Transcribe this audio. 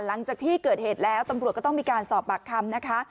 หลังจากที่เกิดเหตุแล้วตำรวจก็ต้องมีการสอบปากคำนะคะ